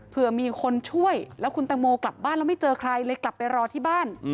เพื่อมีคนช่วยแล้วคุณตังโมกลับบ้านแล้วไม่เจอใครเลยกลับไปรอที่บ้าน